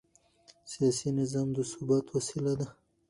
سیاسي نظام د ثبات وسیله ده